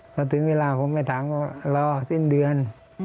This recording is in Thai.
พอถึงเวลาผมไปถามก็รอสิ้นเดือน